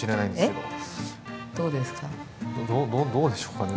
どどうでしょうかね？